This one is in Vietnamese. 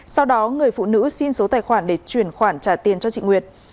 sau đó người phụ nữ xin số tài khoản để chuyển khoản trả tiền cho chị nguyệt